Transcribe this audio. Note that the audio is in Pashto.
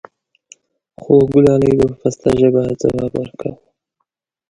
خوګلالۍ به په پسته ژبه ځواب وركا و :